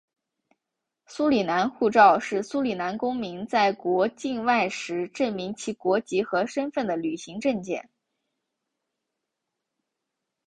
苏里南护照是苏里南公民在国境外时证明其国籍和身份的旅行证件。